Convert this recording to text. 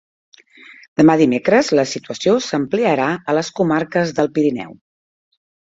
Demà dimecres la situació s'ampliarà a les comarques del Pirineu.